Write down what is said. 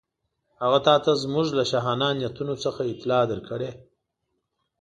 هغه تاته زموږ له شاهانه نیتونو څخه اطلاع درکړې.